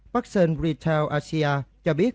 bắc sơn retail asia cho biết